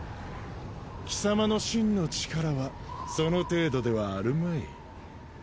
貴様の真の力はその程度ではあるまい。